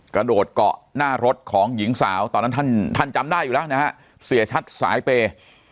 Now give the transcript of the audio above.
กระโดดเกาะหน้ารถของหญิงสาวตอนนั้นท่านท่านจำได้อยู่แล้วนะฮะเสียชัดสายเปย์